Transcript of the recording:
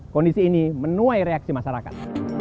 kondisi ini menuai reaksi masyarakat